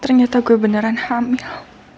ternyata gue beneran hamil